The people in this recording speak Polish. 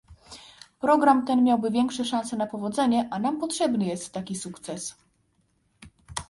Program ten miałby większe szanse na powodzenie, a nam potrzebny jest taki sukces